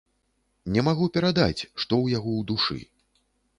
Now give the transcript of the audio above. Не магу перадаць, што ў яго ў душы.